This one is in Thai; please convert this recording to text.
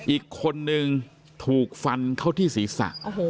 อีกคนนึงถูกฟันเข้าที่ศีรษะ